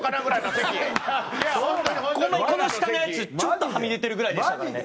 藤原：この下のやつ、ちょっとはみ出てるぐらいでしたからね。